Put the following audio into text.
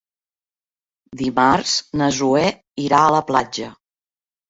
Dimarts na Zoè irà a la platja.